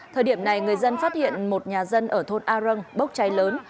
thời điểm này người dân phát hiện một nhà dân ở thôn arang bốc cháy lớn